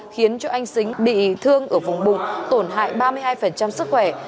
khiến cho anh xính bị thương ở vùng bụng tổn hại ba mươi hai sức khỏe